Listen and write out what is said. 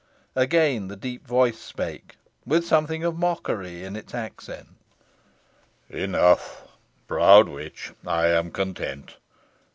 Again the deep voice spake, with something of mockery in its accents: "Enough proud witch, I am content.